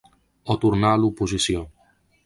O tornar a l’oposició.